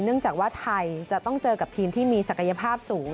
เนื่องจากว่าไทยจะต้องเจอกับทีมที่มีศักยภาพสูง